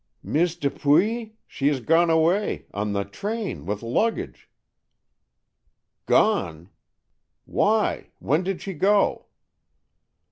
"Miss Dupuy? She is gone away. On the train, with luggage." "Gone! Why, when did she go?"